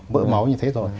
mỡ máu như thế rồi